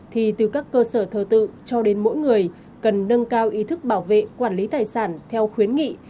thì từ các cơ sở thờ tự cho đến mỗi người cần nâng cao ý thức bảo vệ quản lý tài sản theo khuyến nghị